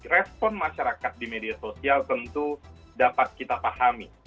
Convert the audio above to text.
respon masyarakat di media sosial tentu dapat kita pahami